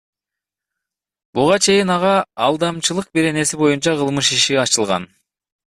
Буга чейин ага Алдамчылык беренеси боюнча кылмыш иши ачылган.